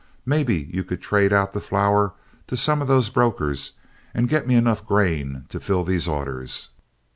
Maybe you could trade out the flour to some of those brokers and get me enough grain to fill these orders."